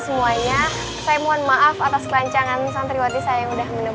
semuanya saya mohon maaf atas kelancangan santriwati saya udah menebur